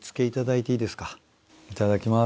いただきます。